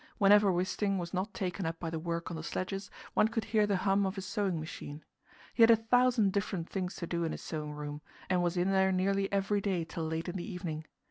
Whenever Wisting was not taken up by the work on the sledges, one could hear the hum of his sewing machine. He had a thousand different things to do in his sewing room, and was in there nearly every day till late in the evening.